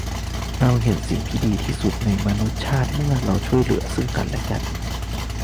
เราเห็นสิ่งที่ดีที่สุดในมนุษยชาติเมื่อเราช่วยเหลือซึ่งกันและกัน